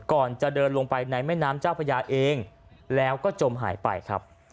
ก่อนจะเดินลงไปในแม่น้ำเจ้าพญาเองแล้วก็จมหายไปครับ